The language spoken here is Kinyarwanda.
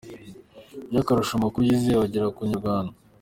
By'akarusho amakuru yizewe agera ku Inyarwanda.